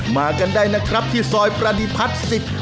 มากันได้นะครับที่ซอยประดิพัฒน์๑๐๑